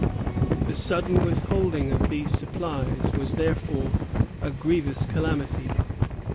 The sudden withholding of these supplies was, therefore, a grievous calamity.